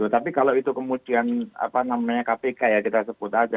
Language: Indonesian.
tapi kalau itu kemudian kpk ya kita sebut aja